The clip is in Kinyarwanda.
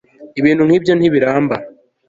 ibintu nkibyo ntibiramba